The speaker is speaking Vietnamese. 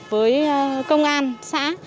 với công an xã